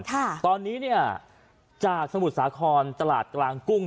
ตอนนี้จากสมุทรสาครจลาดกลางกุ้ง